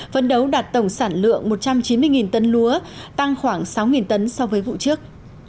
phấn đấu đạt tổng sản lượng một trăm chín mươi tấn lúa tăng khoảng sáu tấn so với vụ trước